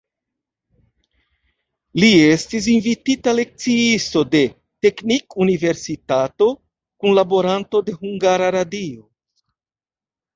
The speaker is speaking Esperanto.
Li estis invitita lekciisto de teknikuniversitato, kunlaboranto de hungara radio.